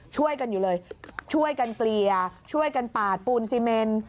ช่วยกันอยู่เลยช่วยกันเกลี่ยช่วยกันปาดปูนซีเมน